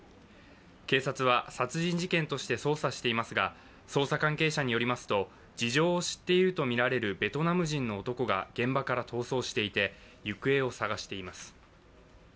警察は殺人事件として捜査していますが捜査関係者によりますと、事情を知っているとみられるベトナム人の男が現場から逃走していて行方を捜しています。